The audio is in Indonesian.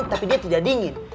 tapi dia tidak dingin